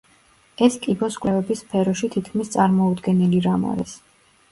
ეს კიბოს კვლევების სფეროში „თითქმის წარმოუდგენელი რამ არის“.